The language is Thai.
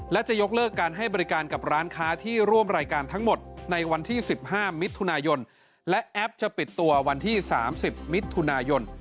และจะยกเลิกการให้บริการกับร้านค้าที่ร่วมรายการทั้งหมดในวันที่๑๕มิถุนายนและแอปจะปิดตัววันที่๓๐มิถุนายน